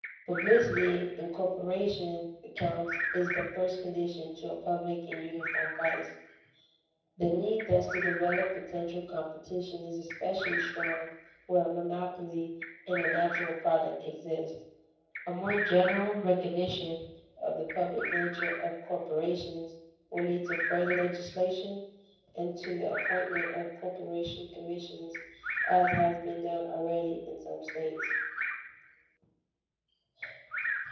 Publicity in corporation accounts is the first condition to a public and uniform price. The need thus to develop potential competition is especially strong where a monopoly in a natural product exists. A more general recognition of the public nature of corporations will lead to further legislation and to the appointment of corporation commissions, as has been done already in some states.